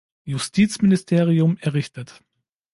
Justizministerium" errichtet.